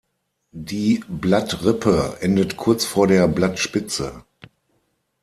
Die Blattrippe endet kurz vor der Blattspitze.